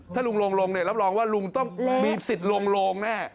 ถ้าลุงลงเนี่ยรับรองว่าลุงต้องมีสิทธิ์ลงแน่